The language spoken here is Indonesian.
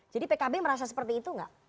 jadi pkb merasa seperti itu enggak